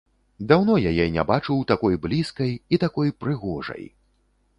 Даўно яе не бачыў такой блізкай і такой прыгожай.